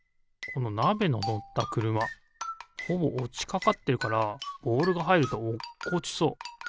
このなべののったくるまほぼおちかかってるからボールがはいるとおっこちそう。